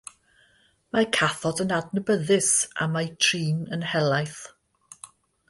Mae cathod yn adnabyddus am eu trin yn helaeth.